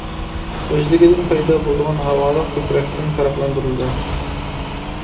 ئۆزلۈكىدىن پەيدا بولىدىغان ھاۋالىق كۆكرەكتىن پەرقلەندۈرۈلىدۇ.